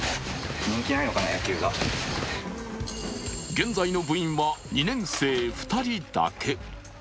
現在の部員は２年生２人だけ。